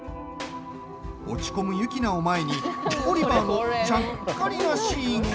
落ち込むユキナを前にオリバーのちゃっかりなシーンが。